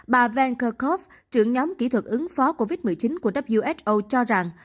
bà van kerkhove trưởng nhóm kỹ thuật ứng phó covid một mươi chín của who cho rằng